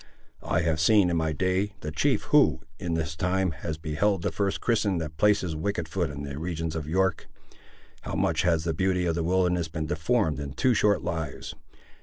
I have seen, in my day, the chief who, in his time, had beheld the first Christian that placed his wicked foot in the regions of York! How much has the beauty of the wilderness been deformed in two short lives!